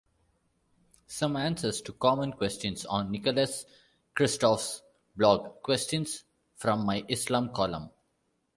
Some answers to common questions on Nicholas Kristof's blog: Questions from My Islam Column.